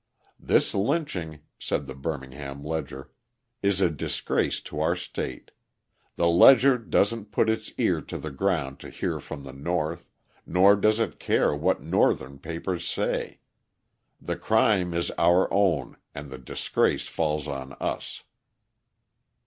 "This lynching," said the Birmingham Ledger, "is a disgrace to our state. The Ledger doesn't put its ear to the ground to hear from the North, nor does it care what Northern papers say. The crime is our own, and the disgrace falls on us."